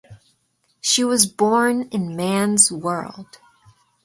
She was born in "Man's world".